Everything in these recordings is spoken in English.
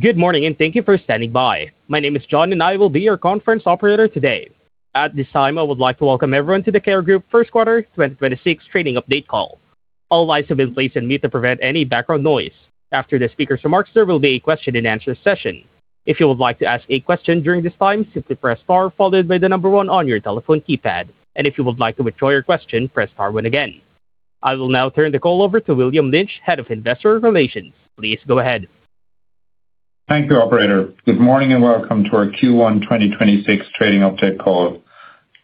Good morning, and thank you for standing by. My name is John, and I will be your conference operator today. At this time, I would like to welcome everyone to the Kerry Group First Quarter 2026 Trading Update Call. All lines have been placed on mute to prevent any background noise. After the speaker's remarks, there will be a question-and-answer session. If you would like to ask a question during this time, simply press star followed by the number one on your telephone keypad. If you would like to withdraw your question, press star one again. I will now turn the call over to William Lynch, Head of Investor Relations. Please go ahead. Thank you, operator. Good morning and welcome to our Q1 2026 trading update call.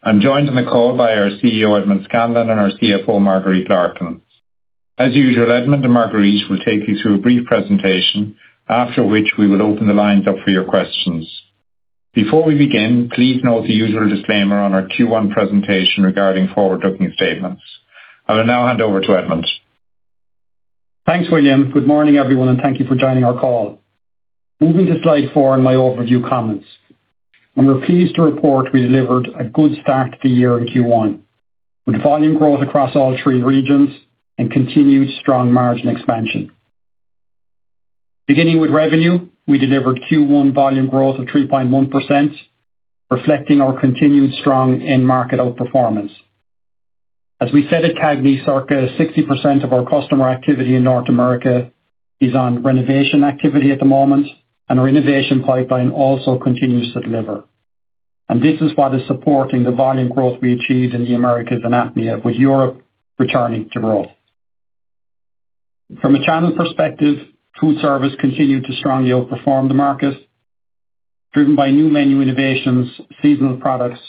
I'm joined on the call by our CEO, Edmond Scanlon, and our CFO, Marguerite Larkin. As usual, Edmond and Marguerite will take you through a brief presentation, after which we will open the lines up for your questions. Before we begin, please note the usual disclaimer on our Q1 presentation regarding forward-looking statements. I will now hand over to Edmond. Thanks, William. Good morning, everyone, thank you for joining our call. Moving to slide four in my overview comments. We're pleased to report we delivered a good start to the year in Q1 with volume growth across all three regions and continued strong margin expansion. Beginning with revenue, we delivered Q1 volume growth of 3.1%, reflecting our continued strong end market outperformance. As we said at CAGNY, circa 60% of our customer activity in North America is on renovation activity at the moment. Our innovation pipeline also continues to deliver. This is what is supporting the volume growth we achieved in the Americas and APMEA, with Europe returning to growth. From a channel perspective, foodservice continued to strongly outperform the market, driven by new menu innovations, seasonal products,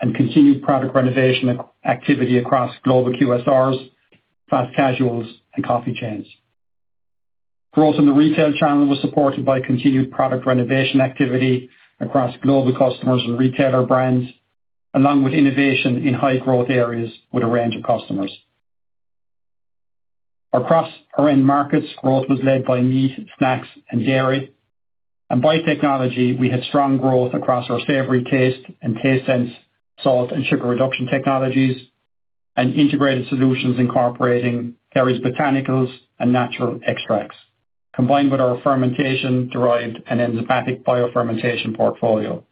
and continued product renovation activity across global QSRs, fast casuals, and coffee chains. Growth in the retail channel was supported by continued product renovation activity across global customers and retailer brands, along with innovation in high-growth areas with a range of customers. By technology, we had strong growth across our savory taste and TasteSense Salt and sugar reduction technologies, and integrated solutions incorporating Kerry's botanicals and natural extracts, combined with our fermentation-derived and enzymatic biofermentation portfolio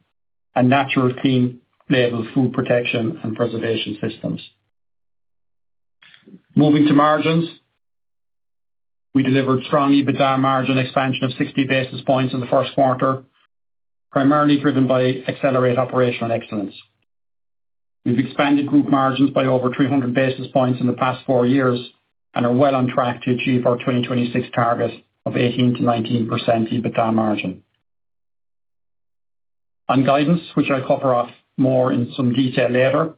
and natural clean label food protection and preservation systems. Moving to margins, we delivered strong EBITDA margin expansion of 60 basis points in the first quarter, primarily driven by Accelerate Operational Excellence. We've expanded group margins by over 300 basis points in the past four years and are well on track to achieve our 2026 target of 18%-19% EBITDA margin. On guidance, which I'll cover off more in some detail later.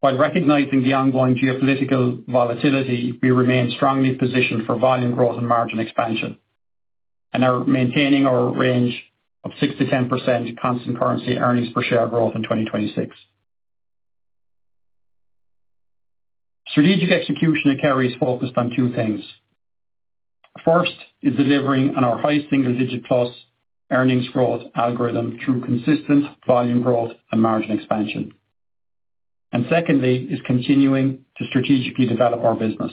While recognizing the ongoing geopolitical volatility, we remain strongly positioned for volume growth and margin expansion, are maintaining our range of 6% to 10% constant currency earnings per share growth in 2026. Strategic execution at Kerry is focused on two things. First is delivering on our highest single-digit+ earnings growth algorithm through consistent volume growth and margin expansion. Secondly is continuing to strategically develop our business.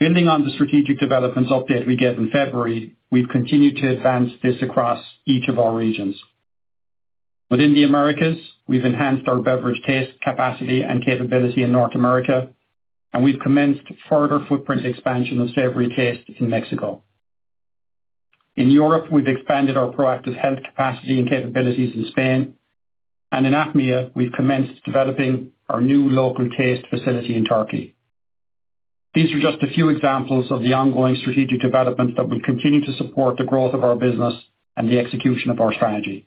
Building on the strategic developments update we gave in February, we've continued to advance this across each of our regions. Within the Americas, we've enhanced our beverage taste capacity and capability in North America, we've commenced further footprint expansion of savory taste in Mexico. In Europe, we've expanded our ProActive Health capacity and capabilities in Spain. In APMEA, we've commenced developing our new local taste facility in Turkey. These are just a few examples of the ongoing strategic developments that will continue to support the growth of our business and the execution of our strategy.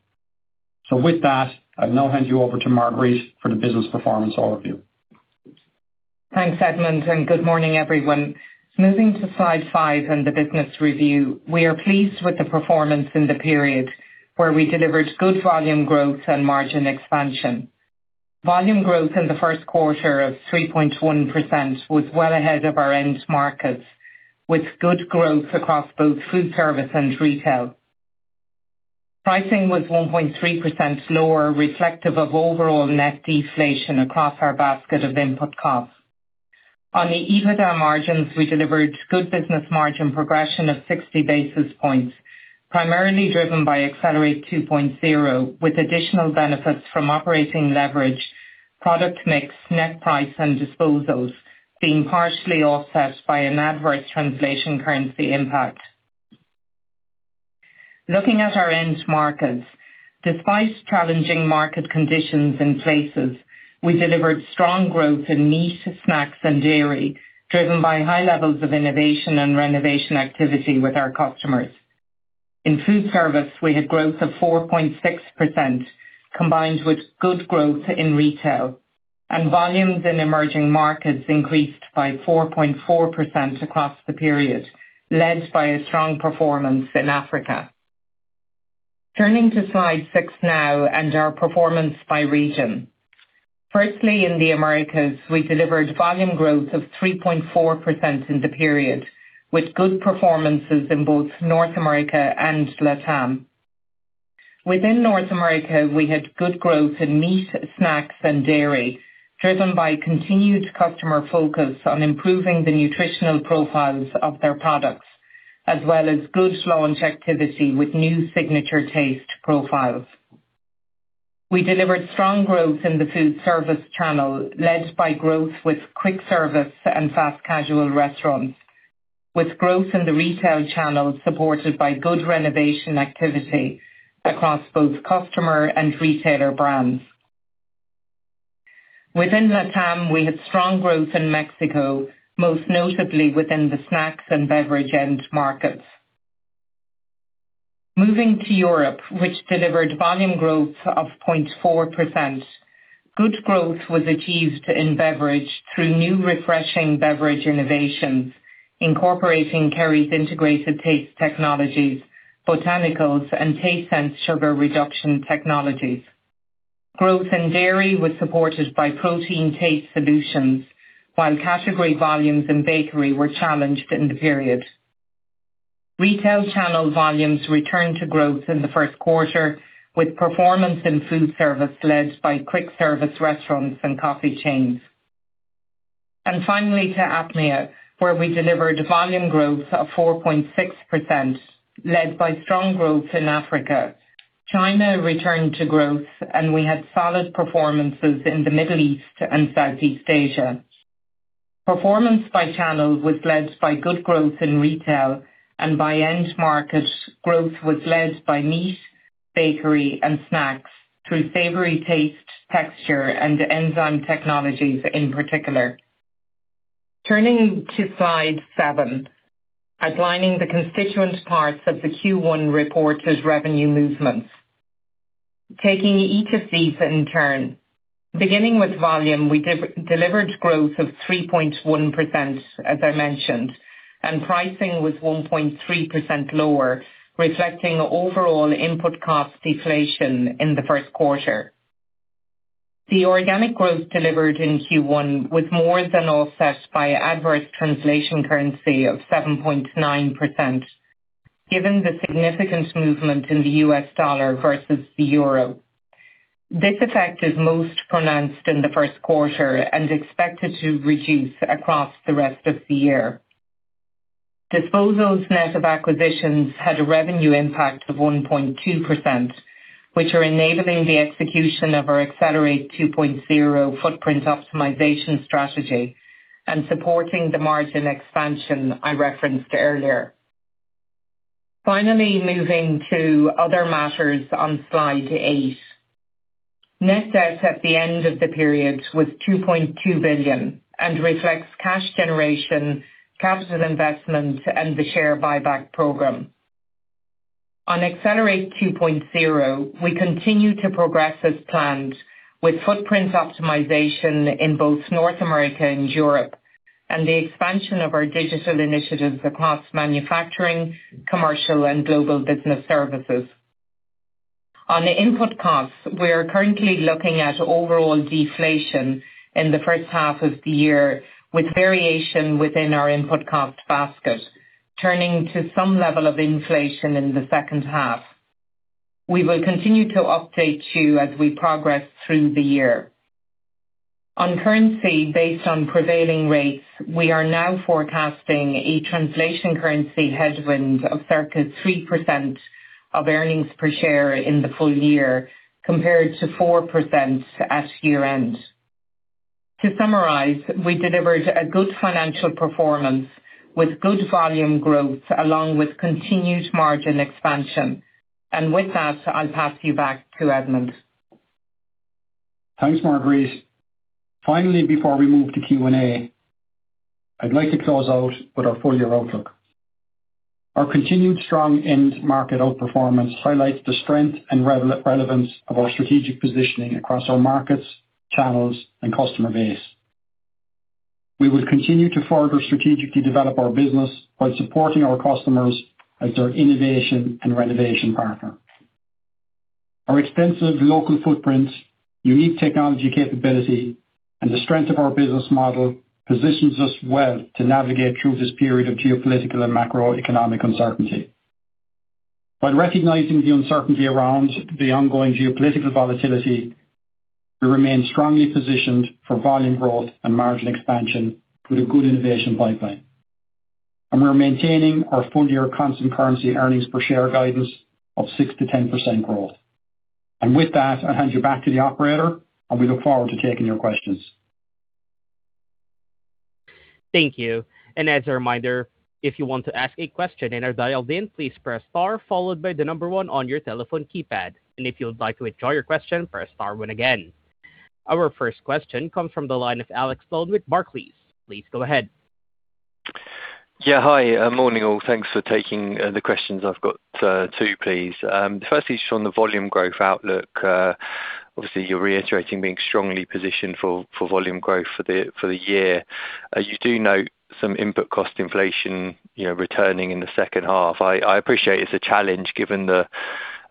With that, I'll now hand you over to Marguerite for the business performance overview. Thanks, Edmond, and good morning, everyone. Moving to slide five and the business review, we are pleased with the performance in the period where we delivered good volume growth and margin expansion. Volume growth in the first quarter of 3.1% was well ahead of our end markets, with good growth across both food service and retail. Pricing was 1.3% lower, reflective of overall net deflation across our basket of input costs. On the EBITDA margins, we delivered good business margin progression of 60 basis points, primarily driven by Accelerate 2.0, with additional benefits from operating leverage, product mix, net price, and disposals being partially offset by an adverse translation currency impact. Looking at our end markets, despite challenging market conditions in places, we delivered strong growth in meat, snacks, and dairy, driven by high levels of innovation and renovation activity with our customers. In food service, we had growth of 4.6%, combined with good growth in retail. Volumes in emerging markets increased by 4.4% across the period, led by a strong performance in Africa. Turning to slide 6 now and our performance by region. Firstly, in the Americas, we delivered volume growth of 3.4% in the period, with good performances in both North America and LATAM. Within North America, we had good growth in meat, snacks, and dairy, driven by continued customer focus on improving the nutritional profiles of their products, as well as good launch activity with new signature taste profiles. We delivered strong growth in the food service channel, led by growth with quick service and fast casual restaurants, with growth in the retail channels supported by good renovation activity across both customer and retailer brands. Within LATAM, we had strong growth in Mexico, most notably within the snacks and beverage end markets. Moving to Europe, which delivered volume growth of 0.4%. Good growth was achieved in beverage through new refreshing beverage innovations, incorporating Kerry's integrated taste technologies, botanicals, and taste and sugar reduction technologies. Growth in dairy was supported by protein taste solutions, while category volumes in bakery were challenged in the period. Retail channel volumes returned to growth in the first quarter, with performance in food service led by quick service restaurants and coffee chains. Finally, to APMEA, where we delivered volume growth of 4.6%, led by strong growth in Africa. China returned to growth, and we had solid performances in the Middle East and Southwest Asia. Performance by channel was led by good growth in retail and by end markets. Growth was led by meat, bakery, and snacks through savory taste, texture, and enzyme technologies, in particular. Turning to slide seven, outlining the constituent parts of the Q1 reported revenue movements. Taking each of these in turn. Beginning with volume, we delivered growth of 3.1%, as I mentioned, and pricing was 1.3% lower, reflecting overall input cost deflation in the 1st quarter. The organic growth delivered in Q1 was more than offset by adverse translation currency of 7.9%, given the significant movement in the US dollar versus the euro. This effect is most pronounced in the 1st quarter and expected to reduce across the rest of the year. Disposals net of acquisitions had a revenue impact of 1.2%, which are enabling the execution of our Accelerate 2.0 footprint optimization strategy and supporting the margin expansion I referenced earlier. Finally, moving to other matters on slide eight. Net debt at the end of the period was 2.2 billion and reflects cash generation, capital investment, and the share buyback program. On Accelerate 2.0, we continue to progress as planned with footprint optimization in both North America and Europe, and the expansion of our digital initiatives across manufacturing, commercial, and global business services. On the input costs, we are currently looking at overall deflation in the first half of the year, with variation within our input cost basket, turning to some level of inflation in the second half. We will continue to update you as we progress through the year. On currency, based on prevailing rates, we are now forecasting a translation currency headwind of circa 3% of earnings per share in the full year compared to 4% at year-end. To summarize, we delivered a good financial performance with good volume growth along with continued margin expansion. With that, I'll pass you back to Edmond. Thanks, Marguerite. Before we move to Q&A, I'd like to close out with our full year outlook. Our continued strong end market outperformance highlights the strength and relevance of our strategic positioning across our markets, channels, and customer base. We will continue to further strategically develop our business while supporting our customers as their innovation and renovation partner. Our extensive local footprint, unique technology capability, and the strength of our business model positions us well to navigate through this period of geopolitical and macroeconomic uncertainty. While recognizing the uncertainty around the ongoing geopolitical volatility, we remain strongly positioned for volume growth and margin expansion with a good innovation pipeline. We're maintaining our full-year constant currency earnings per share guidance of 6%-10% growth. With that, I'll hand you back to the operator, and we look forward to taking your questions. Thank you. As a reminder, if you want to ask a question and are dialed in, please press star followed by the number one on your telephone keypad. If you'd like to withdraw your question, press star one again. Our first question comes from the line of Alexander Dodd with Barclays. Please go ahead. Yeah. Hi. Morning, all. Thanks for taking the questions. I've got two, please. Firstly, just on the volume growth outlook, obviously you're reiterating being strongly positioned for volume growth for the year. You do note some input cost inflation, you know, returning in the second half. I appreciate it's a challenge given the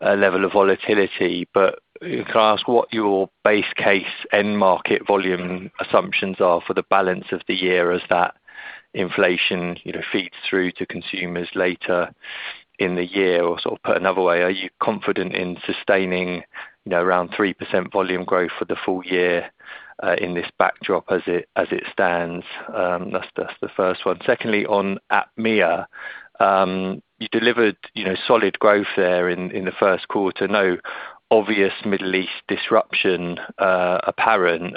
level of volatility, but can I ask what your base case end market volume assumptions are for the balance of the year as inflation, you know, feeds through to consumers later in the year. Sort of put another way, are you confident in sustaining, you know, around 3% volume growth for the full year in this backdrop as it stands? That's the first one. Secondly, on APMEA, you delivered, you know, solid growth there in the first quarter. No obvious Middle East disruption apparent.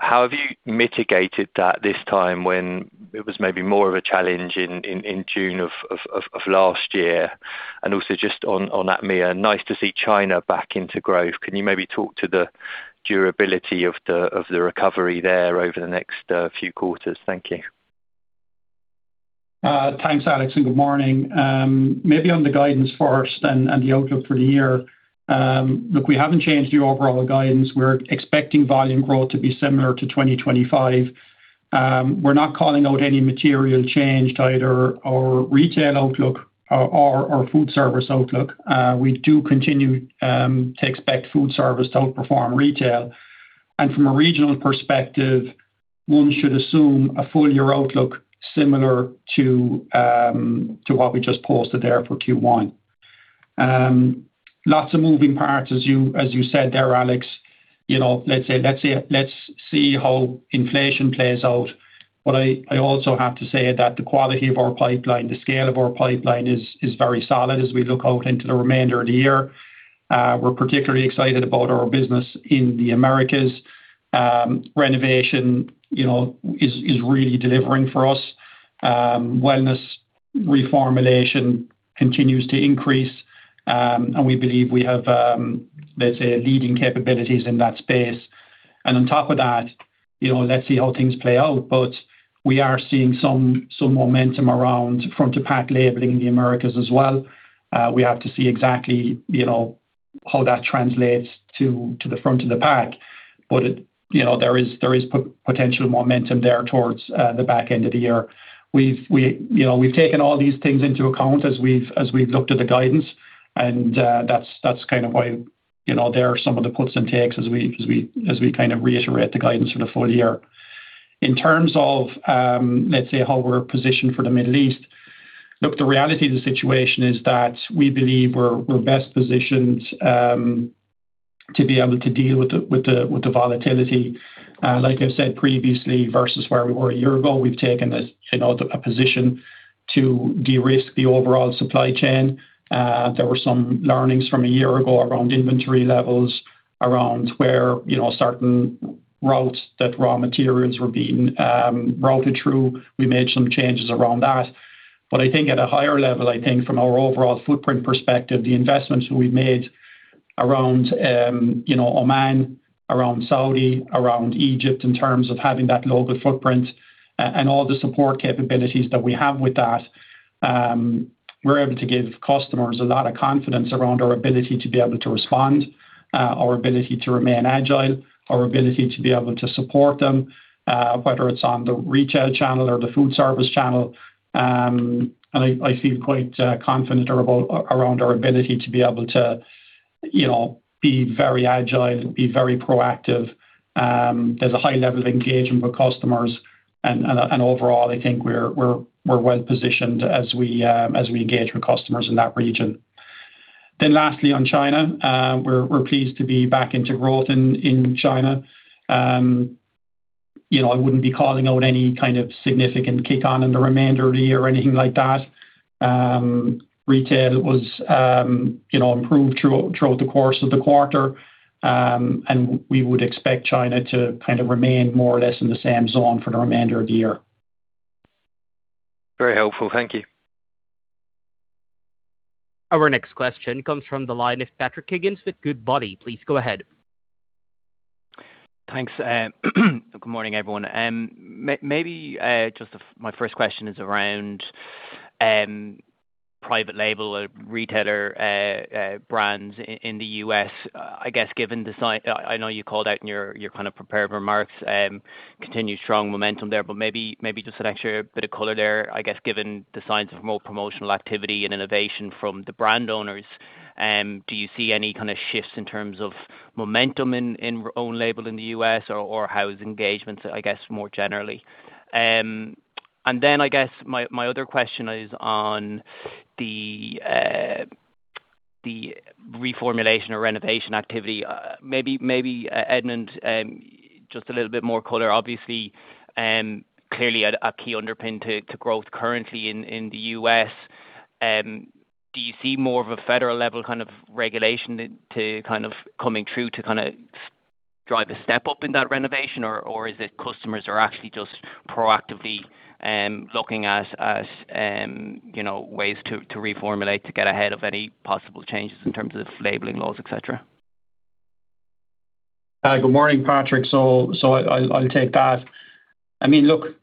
How have you mitigated that this time when it was maybe more of a challenge in June of 2023? Also just on APMEA, nice to see China back into growth. Can you maybe talk to the durability of the recovery there over the next few quarters? Thank you. Thanks Alex, good morning. Maybe on the guidance first and the outlook for the year. We haven't changed the overall guidance. We're expecting volume growth to be similar to 2025. We're not calling out any material change to either our retail outlook or our food service outlook. We do continue to expect food service to outperform retail. From a regional perspective, one should assume a full year outlook similar to what we just posted there for Q1. Lots of moving parts as you said there, Alex. You know, let's see how inflation plays out. I also have to say that the quality of our pipeline, the scale of our pipeline is very solid as we look out into the remainder of the year. We're particularly excited about our business in the Americas. Renovation, you know, is really delivering for us. Wellness reformulation continues to increase. We believe we have, let's say, leading capabilities in that space. On top of that, you know, let's see how things play out. We are seeing some momentum around front-of-pack labeling in the Americas as well. We have to see exactly, you know, how that translates to the front of the pack. It, you know, there is potential momentum there towards the back end of the year. We, you know, we've taken all these things into account as we've looked at the guidance and that's kind of why, you know, there are some of the puts and takes as we kind of reiterate the guidance for the full year. In terms of, let's say, how we're positioned for the Middle East. Look, the reality of the situation is that we believe we're best positioned to be able to deal with the volatility. Like I've said previously, versus where we were a year ago, we've taken a, you know, a position to de-risk the overall supply chain. There were some learnings from a year ago around inventory levels, around where, you know, certain routes that raw materials were being routed through. We made some changes around that. I think at a higher level, I think from our overall footprint perspective, the investments we've made around, you know, Oman, around Saudi, around Egypt in terms of having that local footprint and all the support capabilities that we have with that, we're able to give customers a lot of confidence around our ability to be able to respond, our ability to remain agile, our ability to be able to support them, whether it's on the retail channel or the food service channel. I feel quite confident around our ability to be able to, you know, be very agile and be very proactive. There's a high level of engagement with customers and overall, I think we're well positioned as we engage with customers in that region. Lastly, on China. We're pleased to be back into growth in China. You know, I wouldn't be calling out any kind of significant kick on in the remainder of the year or anything like that. Retail was, you know, improved throughout the course of the quarter. We would expect China to kind of remain more or less in the same zone for the remainder of the year. Very helpful. Thank you. Our next question comes from the line of Patrick Higgins with Goodbody. Please go ahead. Thanks, good morning, everyone. Maybe my first question is around private label retailer brands in the U.S. I guess given I know you called out in your prepared remarks, continued strong momentum there, just an extra bit of color there, I guess, given the signs of more promotional activity and innovation from the brand owners. Do you see any kind of shifts in terms of momentum in own label in the U.S. or how is engagements, I guess, more generally? I guess my other question is on the reformulation or renovation activity. Edmond, just a little bit more color. Obviously, clearly a key underpin to growth currently in the U.S. Do you see more of a federal level kind of regulation coming through to drive a step up in that renovation? Or is it customers are actually just proactively looking at, you know, ways to reformulate to get ahead of any possible changes in terms of labeling laws, et cetera? Good morning, Patrick. I'll take that. I mean, look,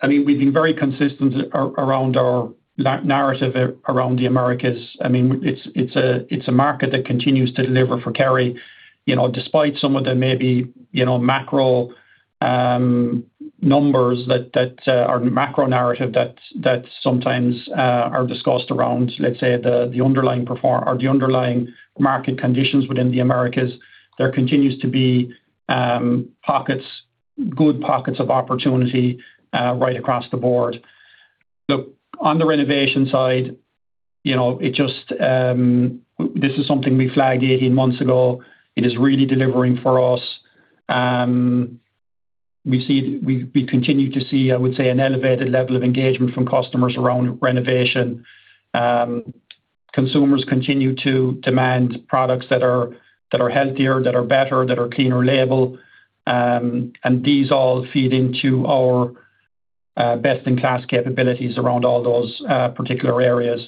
I mean, we've been very consistent around our narrative around the Americas. I mean, it's a market that continues to deliver for Kerry. You know, despite some of the maybe, you know, macro numbers or macro narrative that sometimes are discussed around, let's say the underlying market conditions within the Americas, there continues to be good pockets of opportunity right across the board. Look, on the renovation side. You know, it just, this is something we flagged 18 months ago. It is really delivering for us. We continue to see, I would say, an elevated level of engagement from customers around renovation. Consumers continue to demand products that are healthier, that are better, that are clean label. These all feed into our best-in-class capabilities around all those particular areas.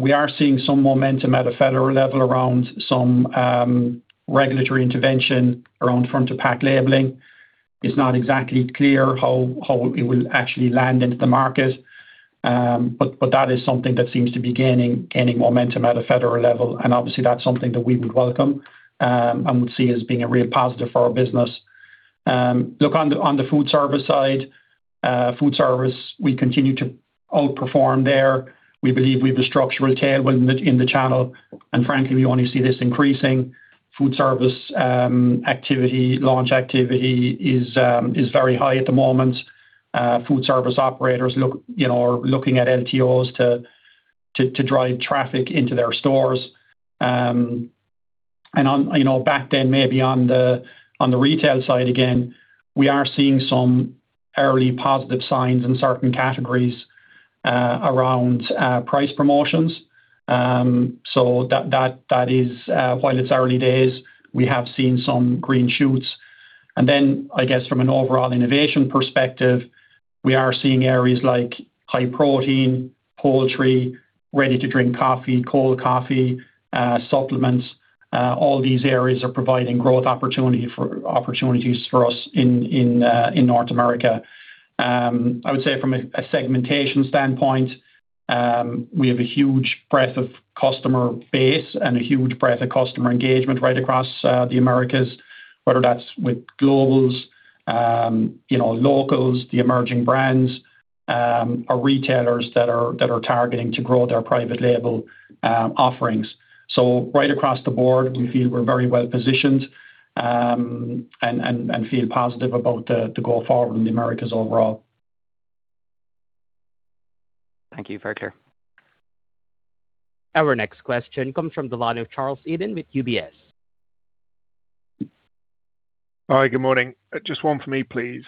We are seeing some momentum at a federal level around some regulatory intervention around front-of-pack labeling. It's not exactly clear how it will actually land into the market. That is something that seems to be gaining momentum at a federal level, and obviously that's something that we would welcome and would see as being a real positive for our business. Look on the food service side, food service, we continue to outperform there. We believe we have a structural tailwind in the channel, and frankly, we only see this increasing. Food service activity, launch activity is very high at the moment. Food service operators look, you know, are looking at LTOs to drive traffic into their stores. On, you know, back then maybe on the retail side, again, we are seeing some early positive signs in certain categories around price promotions. That is, while it's early days, we have seen some green shoots. Then I guess from an overall innovation perspective, we are seeing areas like high protein, poultry, ready-to-drink coffee, cold coffee, supplements. All these areas are providing opportunities for us in North America. I would say from a segmentation standpoint, we have a huge breadth of customer base and a huge breadth of customer engagement right across the Americas, whether that's with globals, you know, locals, the emerging brands, or retailers that are targeting to grow their private label offerings. Right across the board, we feel we're very well positioned and feel positive about the go forward in the Americas overall. Thank you. Fair clear. Our next question comes from the line of Charles Eden with UBS. Hi, good morning. Just one for me, please.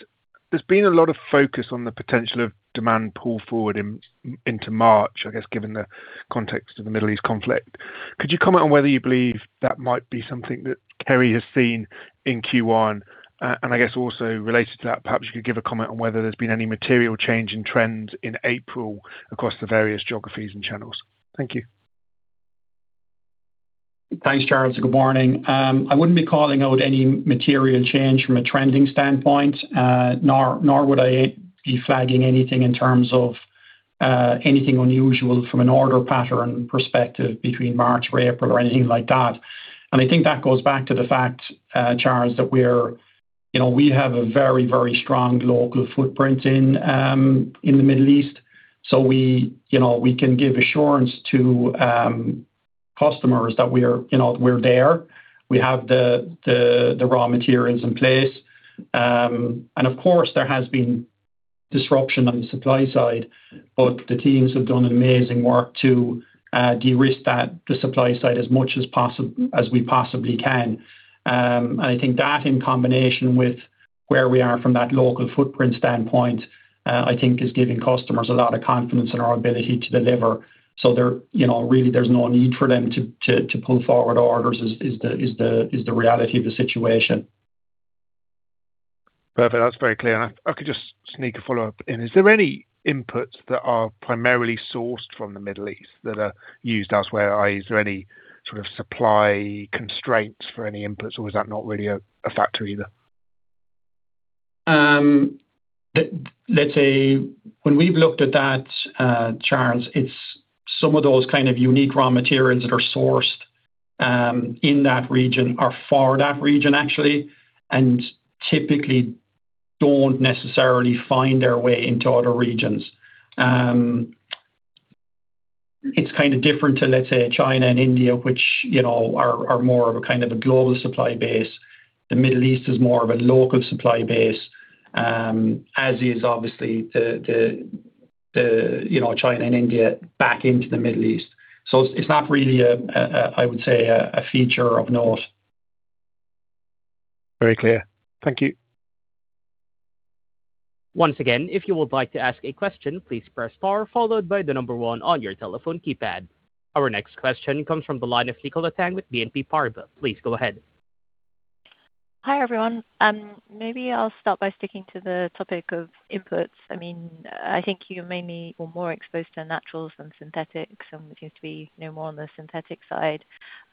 There's been a lot of focus on the potential of demand pull forward in, into March, I guess, given the context of the Middle East conflict. Could you comment on whether you believe that might be something that Kerry has seen in Q1? I guess also related to that, perhaps you could give a comment on whether there's been any material change in trends in April across the various geographies and channels. Thank you. Thanks, Charles. Good morning. I wouldn't be calling out any material change from a trending standpoint, nor would I be flagging anything in terms of anything unusual from an order pattern perspective between March or April or anything like that. I think that goes back to the fact, Charles, that we're, you know, we have a very, very strong local footprint in the Middle East. We, you know, we can give assurance to customers that we are, you know, we're there. We have the, the raw materials in place. Of course, there has been disruption on the supply side, but the teams have done amazing work to de-risk that, the supply side as much as we possibly can. And I think that in combination with where we are from that local footprint standpoint, I think is giving customers a lot of confidence in our ability to deliver. There, you know, really, there's no need for them to pull forward orders is the reality of the situation. Perfect. That's very clear. I could just sneak a follow-up in. Is there any inputs that are primarily sourced from the Middle East that are used elsewhere? Is there any sort of supply constraints for any inputs, or is that not really a factor either? Let's say when we've looked at that, Charles, it's some of those kind of unique raw materials that are sourced in that region are for that region, actually, and typically don't necessarily find their way into other regions. It's kind of different to, let's say, China and India, which, you know, are more of a kind of a global supply base. The Middle East is more of a local supply base, as is obviously, you know, China and India back into the Middle East. It's not really, I would say, a feature of note. Very clear. Thank you. Our next question comes from the line of Nicola Tang with BNP Paribas. Please go ahead. Hi, everyone. Maybe I'll start by sticking to the topic of inputs. I mean, I think you're mainly or more exposed to naturals than synthetics, and it seems to be no more on the synthetic side.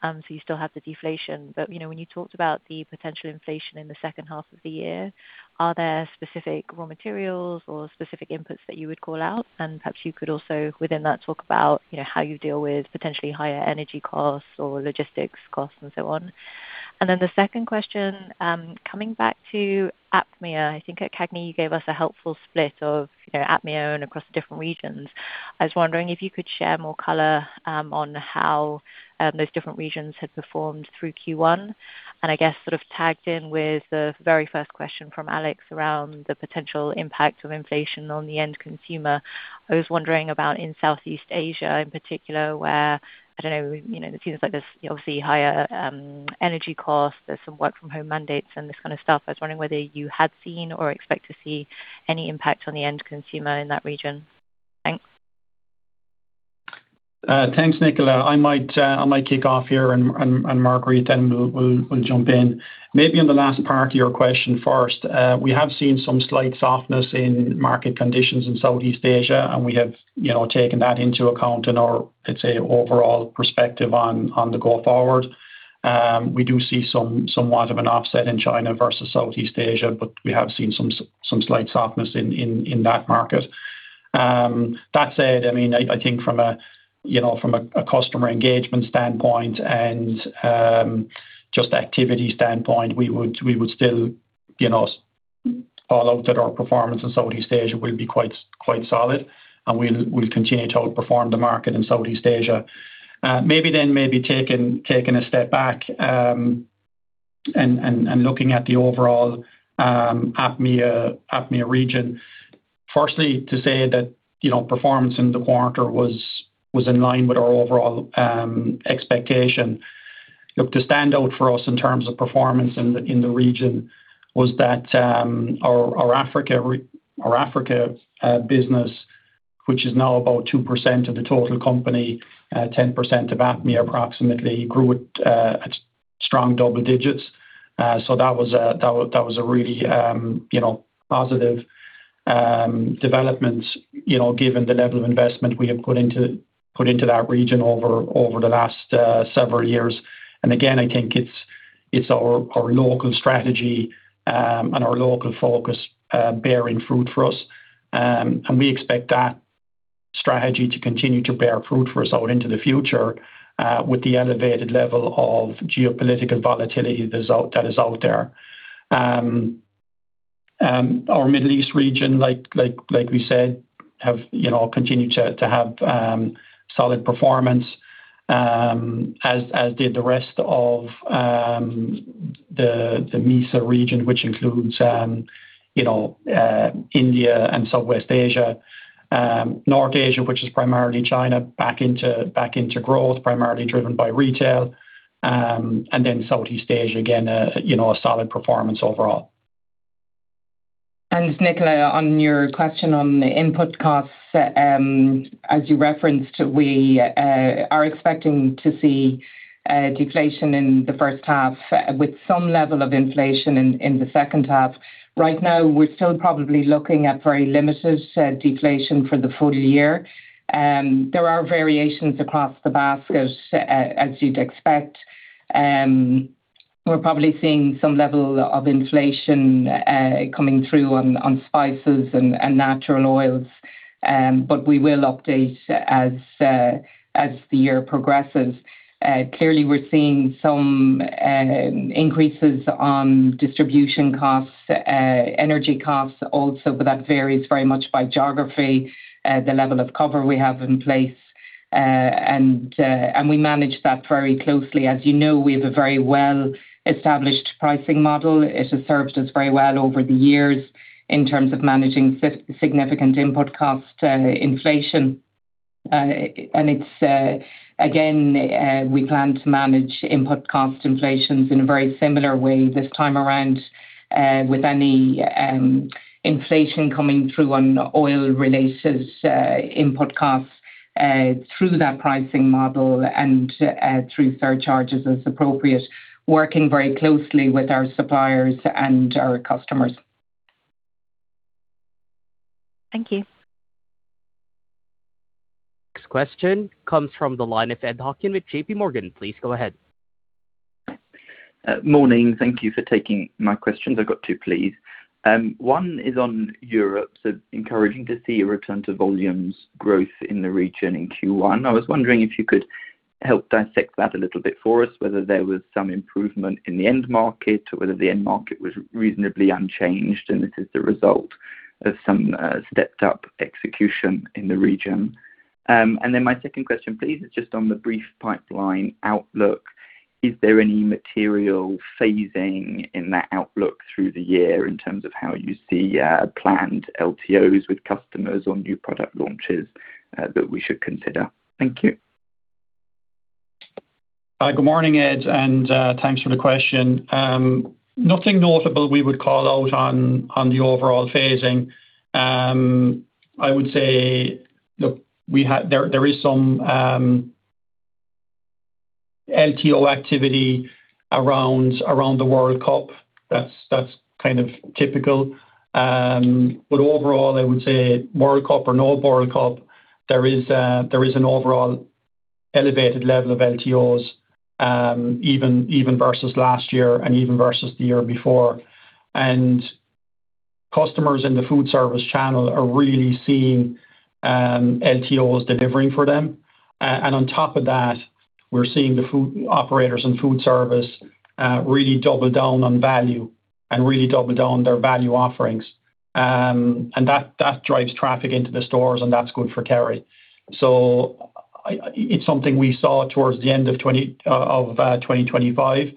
You still have the deflation. When you talked about the potential inflation in the second half of the year, are there specific raw materials or specific inputs that you would call out? Perhaps you could also, within that, talk about, you know, how you deal with potentially higher energy costs or logistics costs and so on. The second question, coming back to APMEA, I think at CAGNY you gave us a helpful split of, you know, APMEA and across the different regions. I was wondering if you could share more color on how those different regions had performed through Q1. I guess sort of tagged in with the very first question from Alex around the potential impact of inflation on the end consumer. I was wondering about in Southeast Asia in particular, where, I don't know, you know, it seems like there's obviously higher energy costs, there's some work from home mandates and this kind of stuff. I was wondering whether you had seen or expect to see any impact on the end consumer in that region. Thanks. Thanks, Nicola. I might kick off here and Marguerite then will jump in. Maybe on the last part of your question first. We have seen some slight softness in market conditions in Southeast Asia, and we have, you know, taken that into account in our, let's say, overall perspective on the go forward. We do see somewhat of an offset in China versus Southeast Asia, but we have seen some slight softness in that market. That said, I mean, I think from a, you know, from a customer engagement standpoint and just activity standpoint, we would still, you know, follow that our performance in Southeast Asia will be quite solid and we'll continue to outperform the market in Southeast Asia. Maybe taking a step back, and looking at the overall APMEA region. Firstly, to say that, you know, performance in the quarter was in line with our overall expectation. Look, the standout for us in terms of performance in the region was that our Africa business, which is now about 2% of the total company, 10% of APMEA approximately, grew at strong double digits. That was a really, you know, positive development, you know, given the level of investment we have put into that region over the last several years. Again, I think it's our local strategy and our local focus bearing fruit for us. We expect that strategy to continue to bear fruit for us out into the future with the elevated level of geopolitical volatility that is out there. Our Middle East region, like we said, have, you know, continued to have solid performance as did the rest of the MESA region, which includes, you know, India and Southwest Asia. North Asia, which is primarily China, back into growth, primarily driven by retail. Southeast Asia, again, you know, a solid performance overall. Nicola, on your question on the input costs, as you referenced, we are expecting to see deflation in the first half with some level of inflation in the second half. Right now, we're still probably looking at very limited deflation for the full year. There are variations across the basket, as you'd expect. We're probably seeing some level of inflation coming through on spices and natural oils, but we will update as the year progresses. Clearly we're seeing some increases on distribution costs, energy costs also, but that varies very much by geography, the level of cover we have in place. We manage that very closely. As you know, we have a very well-established pricing model. It has served us very well over the years in terms of managing significant input cost inflation. It's, again, we plan to manage input cost inflations in a very similar way this time around, with any inflation coming through on oil related input costs, through that pricing model and through surcharges as appropriate. Working very closely with our suppliers and our customers. Thank you. Next question comes from the line of Edward Hockin with JPMorgan. Please go ahead. Morning. Thank you for taking my questions. I've got two, please. one is on Europe. Encouraging to see a return to volumes growth in the region in Q1. I was wondering if you could help dissect that a little bit for us, whether there was some improvement in the end market or whether the end market was reasonably unchanged, and this is the result of some stepped up execution in the region. Then my 2nd question, please, is just on the brief pipeline outlook. Is there any material phasing in that outlook through the year in terms of how you see planned LTOs with customers or new product launches that we should consider? Thank you. Good morning, Ed, and thanks for the question. Nothing notable we would call out on the overall phasing. I would say, look, there is some LTO activity around the World Cup. That's kind of typical. But overall, I would say World Cup or no World Cup, there is an overall elevated level of LTOs, even versus last year and even versus the year before. Customers in the food service channel are really seeing LTOs delivering for them. On top of that, we're seeing the food operators and food service really double down on value and really double down their value offerings. That drives traffic into the stores, and that's good for Kerry. It's something we saw towards the end of 2025,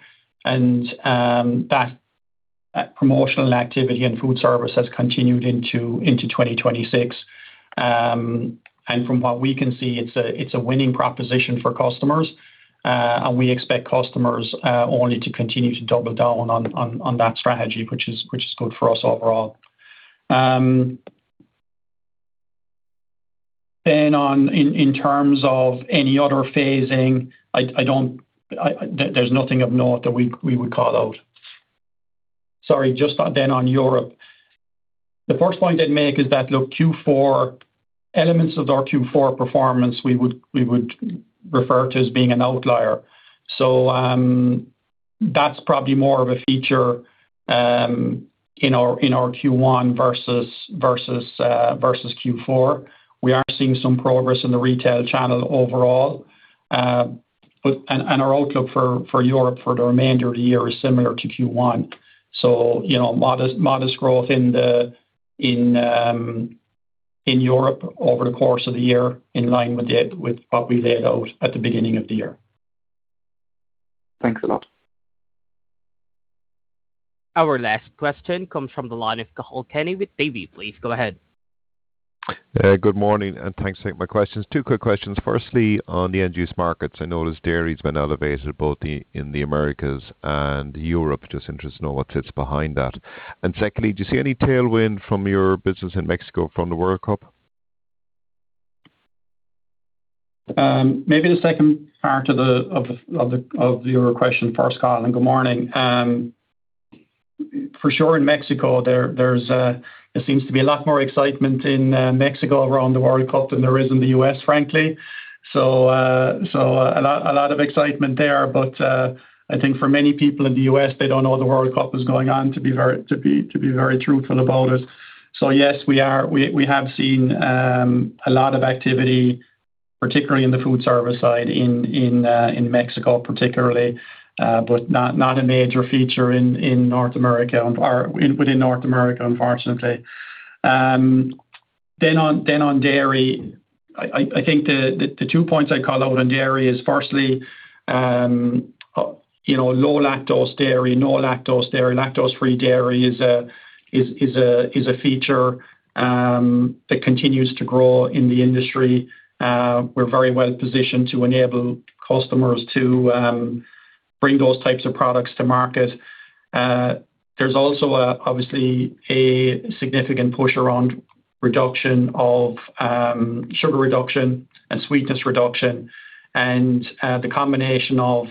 and that promotional activity and food service has continued into 2026. From what we can see, it's a winning proposition for customers. We expect customers only to continue to double down on that strategy, which is good for us overall. In terms of any other phasing, there's nothing of note that we would call out. Sorry, just then on Europe. The first point I'd make is that, look, Q4 elements of our Q4 performance, we would refer to as being an outlier. That's probably more of a feature in our Q1 versus Q4. We are seeing some progress in the retail channel overall. And our outlook for Europe for the remainder of the year is similar to Q1. You know, modest growth in Europe over the course of the year in line with what we laid out at the beginning of the year. Thanks a lot. Our last question comes from the line of Cathal Kenny with Davy. Please go ahead. Good morning, and thanks for taking my questions. Two quick questions. Firstly, on the end use markets, I noticed dairy's been elevated both the, in the Americas and Europe. Just interested to know what sits behind that. Secondly, do you see any tailwind from your business in Mexico from the World Cup? Maybe the second part of your question first, Cathal, and good morning. For sure, in Mexico, there seems to be a lot more excitement in Mexico around the World Cup than there is in the U.S., frankly. A lot of excitement there. I think for many people in the U.S., they don't know the World Cup is going on, to be very truthful about it. Yes, we have seen a lot of activity, particularly in the food service side in Mexico particularly, but not a major feature in North America or within North America, unfortunately. Then on dairy, I think the two points I call out on dairy is firstly, you know, low-lactose dairy. No-lactose dairy. Lactose-free dairy is a feature that continues to grow in the industry. We're very well positioned to enable customers to bring those types of products to market. There's also obviously a significant push around reduction of sugar reduction and sweetness reduction. The combination of,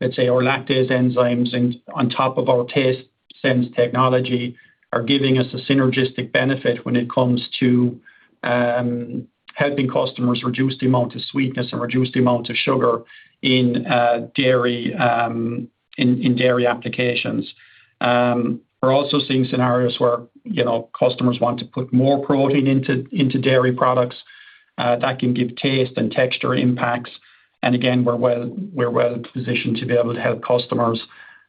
let's say, our lactase enzymes and on top of our TasteSense technology are giving us a synergistic benefit when it comes to helping customers reduce the amount of sweetness and reduce the amount of sugar in dairy applications. We're also seeing scenarios where, you know, customers want to put more protein into dairy products, that can give taste and texture impacts. Again, we're well positioned to be able to help customers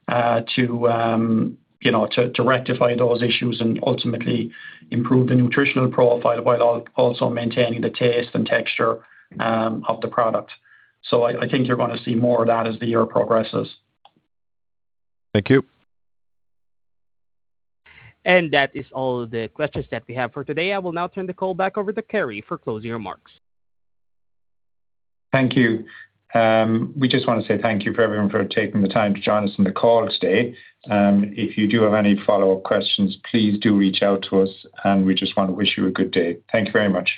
to, you know, to rectify those issues and ultimately improve the nutritional profile while also maintaining the taste and texture of the product. I think you're gonna see more of that as the year progresses. Thank you. That is all the questions that we have for today. I will now turn the call back over to Edmond for closing remarks. Thank you. We just want to say thank you for everyone for taking the time to join us on the call today. If you do have any follow-up questions, please do reach out to us, and we just want to wish you a good day. Thank you very much.